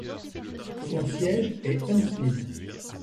Son siège est Huntsville.